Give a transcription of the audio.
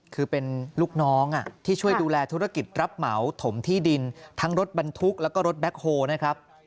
คือเป็นลูกน้องที่ช่วยดูแลธุรกิจรับเหมาถมที่ดินทั้งรถบรรทุกแล้วก็รถแบ็คโฮนะครับ